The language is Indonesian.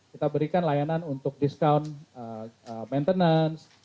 kita berikan layanan untuk discount maintenance discount untuk ganti ban cuci helm jacket